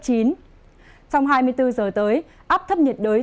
trong hai mươi bốn h tới áp thấp nhận đới